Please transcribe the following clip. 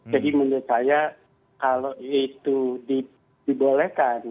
jadi menurut saya kalau itu dibolehkan